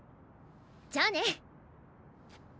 じゃあね。